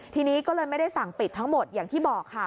ทีนี้ก็เลยไม่ได้สั่งปิดทั้งหมดอย่างที่บอกค่ะ